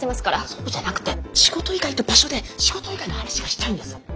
そうじゃなくて仕事以外の場所で仕事以外の話がしたいんです。